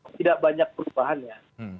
tidak banyak perubahannya